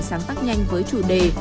sáng tác nhanh với chủ đề